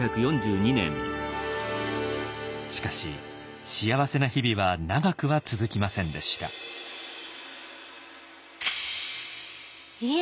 しかし幸せな日々は長くは続きませんでした。離縁？